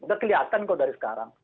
udah kelihatan kok dari sekarang